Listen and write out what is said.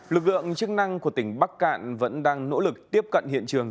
lực lượng chức năng của tỉnh bắc cạn vẫn đang nỗ lực tiếp cận hiện trường